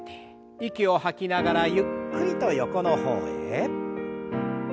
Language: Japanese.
息を吐きながらゆっくりと横の方へ。